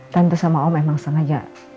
tante sama om memang sengaja